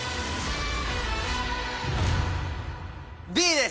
Ｂです！